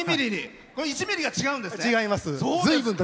１ｍｍは違うんですね。